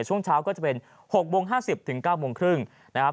ช่วงเช้าก็จะเป็น๖๕๐๙๓๐นะครับ